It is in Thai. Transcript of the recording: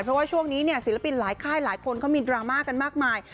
เพราะว่าช่วงนี้เนี่ยศิลปินหลายค่ายหลายคนเขามีดราม่ากันมากมาย